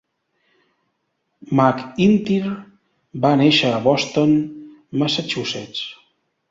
McIntyre va néixer a Boston, Massachusetts.